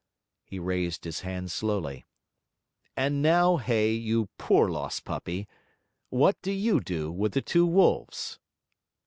He raised his hand slowly. 'And now, Hay, you poor lost puppy, what do you do with the two wolves?'